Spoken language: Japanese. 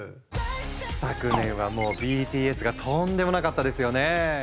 昨年はもうＢＴＳがとんでもなかったですよねぇ。